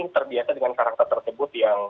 terbiasa dengan karakter tersebut yang